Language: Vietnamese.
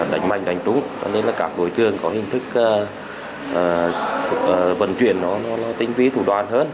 đánh mạnh đánh trúng cho nên các đối trường có hình thức vận chuyển tinh vi thủ đoàn hơn